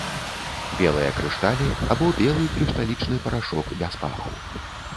Белыя крышталі або белы крышталічны парашок без паху.